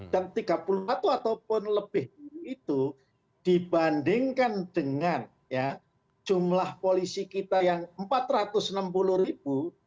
dan tiga puluh satu ataupun lebih itu dibandingkan dengan jumlah polisi kita yang empat ratus enam puluh ribu